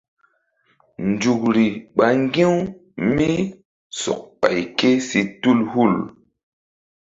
Nzukri ɓa ŋgi̧-u mí sɔk ɓay ké si tul hul.